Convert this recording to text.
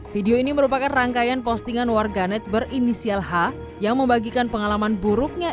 video ini merupakan rangkaian postingan warganet berinisial h yang membagikan pengalaman buruknya